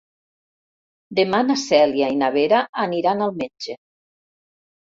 Demà na Cèlia i na Vera aniran al metge.